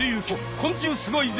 「昆虫すごいぜ！」